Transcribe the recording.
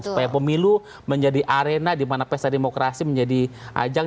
supaya pemilu menjadi arena dimana pesta demokrasi menjadi ajang